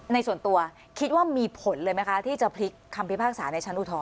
ในส่วนตัวคิดว่ามีผลเลยไหมคะที่จะพลิกคำพิพากษาในชั้นอุทธร